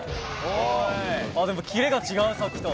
でもキレが違うさっきと。